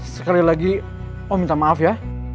sekali lagi oh minta maaf ya